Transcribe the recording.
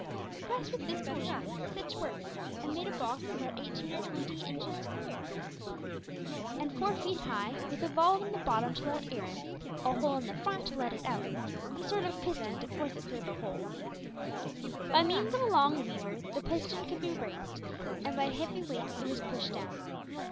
Impressed with this belief, he set to work and made a box about eighteen or twenty inches square and four feet high, with a valve in the bottom to let air in, a hole in the front to let it out, and a sort of piston to force it through the hole. By means of a long lever the piston could be raised, and by heavy weights it was pushed down.